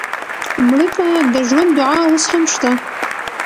مړه ته د ژوند دعا اوس هم شته